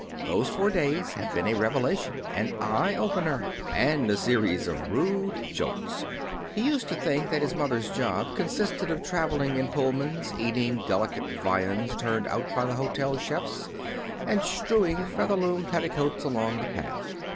Those four days have been a revelation, an eye opener, and a series of rude jolts. He used to think that his mother's job consisted of traveling in Pullmans, eating delicate viands turned out by the hotel chefs, and strewing Featherloom Petticoats along the path.